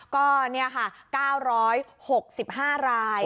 ก็นี่ค่ะ๙๖๕ราย